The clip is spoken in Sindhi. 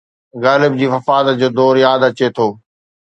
غالب جي وفات جو دور ياد اچي ٿو